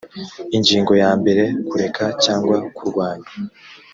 ingingo ya mbere kureka cyangwa kurwanya